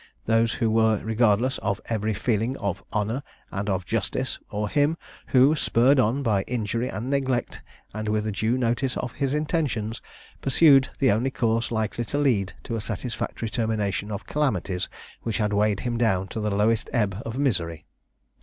those who were regardless of every feeling of honour and of justice, or him who, spurred on by injury and neglect, and with a due notice of his intentions, pursued the only course likely to lead to a satisfactory termination of calamities which had weighed him down to the lowest ebb of misery!